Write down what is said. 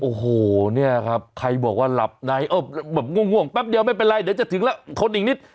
โอ้โหเนี่ยครับใครบอกว่าหลับในแบบง่วงแป๊บเดียวไม่เป็นไรเดี๋ยวจะถึงแล้วทนอีกนิด